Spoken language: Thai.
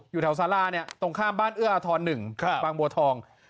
อยู่แถวซาราเนี้ยตรงข้ามบ้านเอื้ออทรนหนึ่งครับฟังบัวทอง